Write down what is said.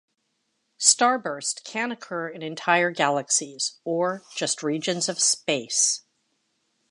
Starburst can occur in entire galaxies or just regions of space.